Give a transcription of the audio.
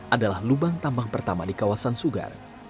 adalah lubang tambang pertama di kawasan sugar